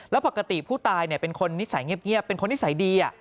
แล้วปกติผู้ตายเป็นคนนิสัยเงียบเป็นคนนิสัยดี